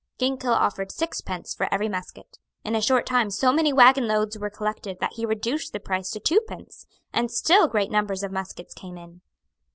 Ginkell offered sixpence for every musket. In a short time so many waggon loads were collected that he reduced the price to twopence; and still great numbers of muskets came in.